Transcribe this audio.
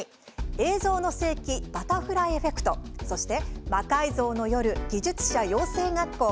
「映像の世紀バタフライエフェクト」そして「魔改造の夜技術者養成学校」